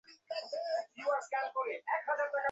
There are four types of exit notification signs.